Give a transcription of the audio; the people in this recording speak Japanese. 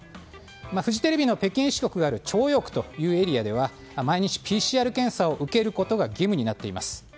フジテレビの北京支局のある朝陽区というところでは毎日、ＰＣＲ検査を受けることが義務になっています。